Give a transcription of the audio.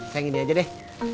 saya ngini aja deh